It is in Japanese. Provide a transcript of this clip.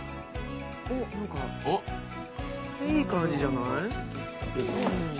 おっ何かいい感じじゃない？